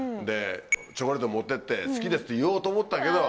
チョコレート持ってって好きですって言おうと思ったけど。